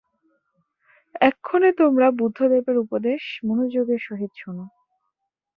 এক্ষণে তোমরা বুদ্ধদেবের উপদেশ মনোযোগের সহিত শোন।